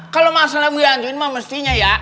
kalau masalah biantuin mah mestinya ya